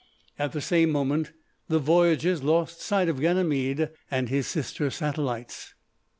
At the same moment the voyagers lost sight of Ganymede and his sister satellites.